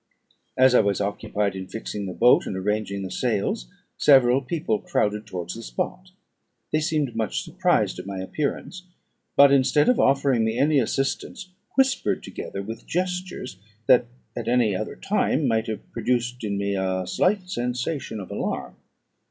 As I was occupied in fixing the boat and arranging the sails, several people crowded towards the spot. They seemed much surprised at my appearance; but, instead of offering me any assistance, whispered together with gestures that at any other time might have produced in me a slight sensation of alarm.